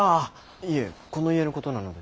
いえこの家のことなので。